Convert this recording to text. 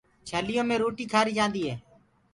ڇليو مي روٽيٚ کآريٚ جآنٚديٚ هي